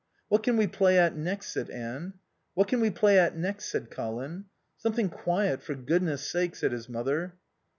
"What can we play at next?" said Anne. "What can we play at next?" said Colin. "Something quiet, for goodness sake," said his mother.